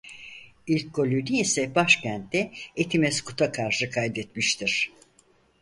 İlk golünü ise başkentte Etimesgut'a karşı kaydetmiştir.